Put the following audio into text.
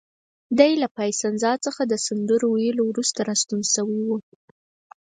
دی له پایسنزا څخه د سندرو ویلو وروسته راستون شوی و.